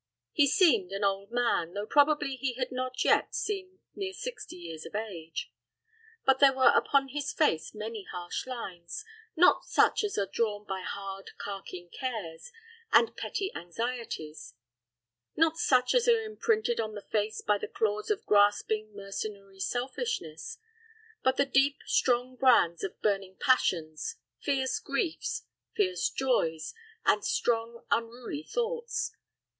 He seemed an old man, though probably he had not yet seen near sixty years of age; but there were upon his face many harsh lines not such as are drawn by hard carking cares and petty anxieties not such as are imprinted on the face by the claws of grasping, mercenary selfishness; but the deep strong brands of burning passions, fierce griefs, fierce joys, and strong unruly thoughts.